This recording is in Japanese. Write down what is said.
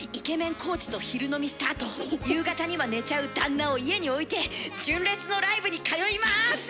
コーチと昼飲みしたあと夕方には寝ちゃう旦那を家に置いて純烈のライブに通います！